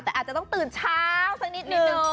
แต่อาจจะต้องตื่นเช้าสักนิดนึง